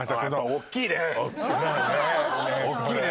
大っきいね。